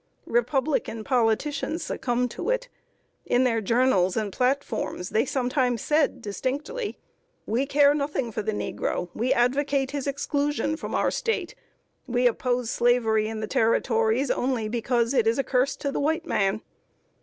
Republican politicians succumbed to it. In their journals and platforms they sometimes said distinctly: "We care nothing for the negro. We advocate his exclusion from our State. We oppose Slavery in the Territories only because it is a curse to the white man."